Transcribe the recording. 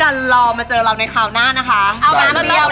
กันล่อมาเจอเราในคราวนี้นะคะ